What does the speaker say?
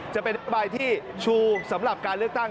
จะเป็นใบที่ชูสำหรับการเลือกตั้ง